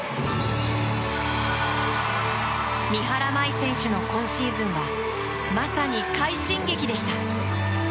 三原舞依選手の今シーズンはまさに快進撃でした。